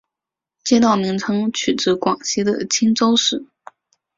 街道名称取自广西的钦州市。